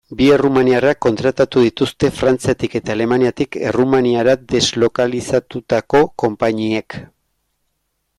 Bi errumaniarrak kontratatu dituzte Frantziatik eta Alemaniatik Errumaniara deslokalizatutako konpainiek.